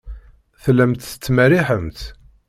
Tellamt tettmerriḥemt.